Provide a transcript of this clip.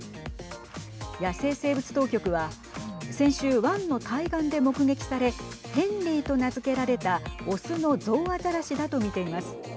野生生物当局は先週、湾の海岸で目撃されヘンリーと名付けられた雄のゾウアザラシだと見ています。